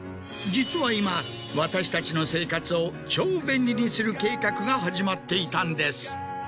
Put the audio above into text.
実は今私たちの生活を超便利にする計画が始まっていたんです。